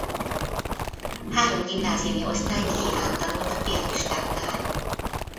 Három gimnáziumi osztályt Léván tanult a piaristáknál.